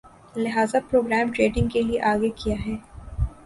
لہذا programme trading کے لیے آگے کِیا ہے